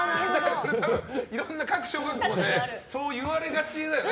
多分、いろんな各小学校でそう言われがちだよね。